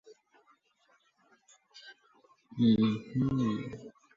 La provincia de Zamora es su lugar de mayor implantación.